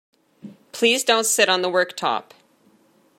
Please don't sit on the worktop!